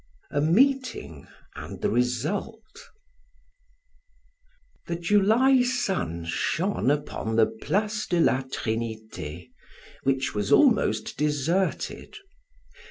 A MEETING AND THE RESULT The July sun shone upon the Place de la Trinite, which was almost deserted.